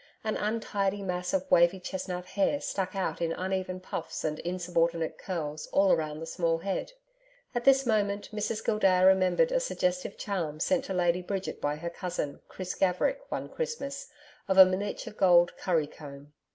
An untidy mass of wavy chestnut hair stuck out in uneven puffs and insubordinate curls, all round the small head. At this moment Mrs Gildea remembered a suggestive charm sent to Lady Bridget by her cousin, Chris Gaverick, one Christmas, of a miniature gold curry comb.